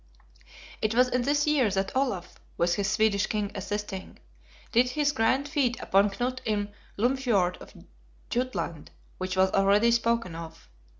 It was in this year that Olaf (with his Swedish king assisting) did his grand feat upon Knut in Lymfjord of Jutland, which was already spoken of.